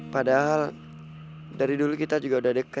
padahal dari dulu kita juga udah dekat